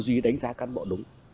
tư duy đánh giá cán bộ đúng